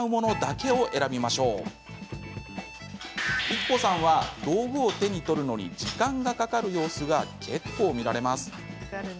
育子さんは道具を手に取るのに時間がかかる様子が結構、見られます。